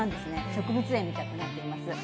植物園みたくなっています。